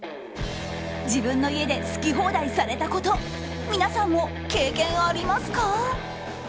自分の家で好き放題されたこと皆さんも経験ありますか？